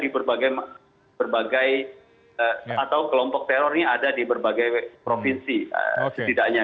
berbagai atau kelompok teror ini ada di berbagai provinsi setidaknya